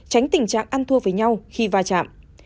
tránh tình trạng ăn thua với nhau khi va chạm